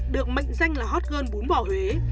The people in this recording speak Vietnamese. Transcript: được mệnh danh là hot girl bún bò huế